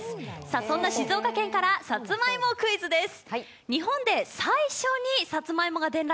そんな静岡県からさつまいもクイズです。